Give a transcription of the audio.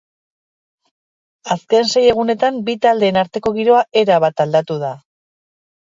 Azken sei egunetan bi taldeen arteko giroa erabat aldatu da.